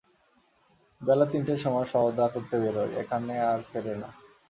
বেলা তিনটের সময় সওদা করতে বেরোয়, এখানে আর ফেরে না।